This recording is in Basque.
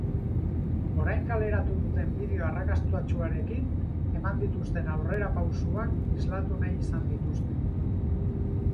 Orain kaleratu duten bideo arrakastatsuarekin, eman dituzten aurrerapausuak islatu nahi izan dituzte.